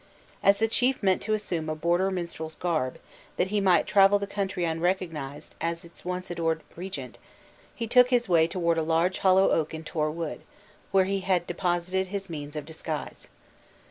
As the chief meant to assume a border minstrel's garb, that he might travel the country unrecognized as its once adored regent, he took his way toward a large hollow oak in Tor Wood, where he had deposited his means of disguise.